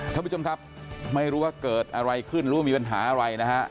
ท่านผู้ชมครับไม่รู้ว่าเกิดอะไรขึ้นหรือว่ามีปัญหาอะไรนะฮะ